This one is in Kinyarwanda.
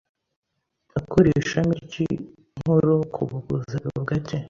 ukuriye ishami ry'inkuru ku buvuzi abivuga ate